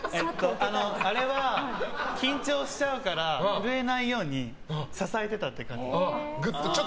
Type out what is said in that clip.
あれは緊張しちゃうから震えないように支えてたっていう感じ。